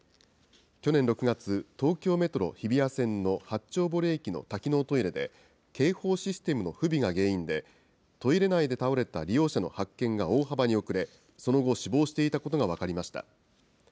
去年６月、東京メトロ日比谷線の八丁堀駅の多機能トイレで、警報システムの不備が原因で、トイレ内で倒れた利用者の発見が大幅に遅れ、その後、死亡していたことが分かりました。